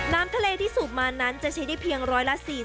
น้ำทะเลที่สูบมานั้นจะใช้ได้เพียงร้อยละ๔๐